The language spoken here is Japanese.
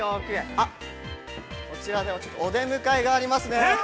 あっ、こちらで、お出迎えがありますよね。